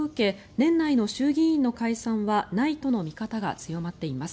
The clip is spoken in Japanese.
年内の衆議院の解散はないとの見方が強まっています。